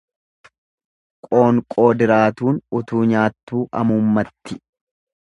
Qoonqoo diraatuun utuu nyaattuu amuummatti.